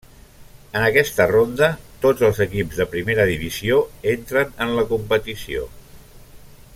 En aquesta ronda, tots els equips de primera divisió entren en la competició.